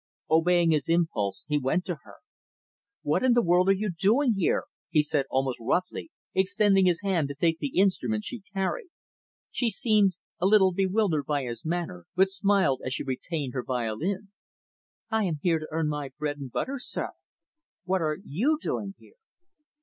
Obeying his impulse, he went to her. "What in the world are you doing here?" he said almost roughly extending his hand to take the instrument she carried. She seemed a little bewildered by his manner, but smiled as she retained her violin. "I am here to earn my bread and butter, sir. What are you doing here?"